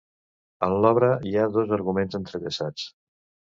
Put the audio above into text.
En l'obra hi ha dos arguments entrellaçats.